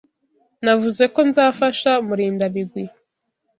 Navuze ko nzafasha Murindabigwi.